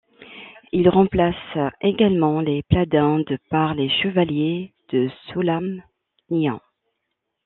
Il remplace également les paladins de ' par les chevaliers de Solamnia.